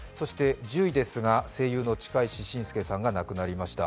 １０位ですが、声優の近石真介さんが亡くなりました。